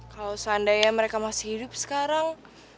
kalau seandainya mereka masih hidup sekarang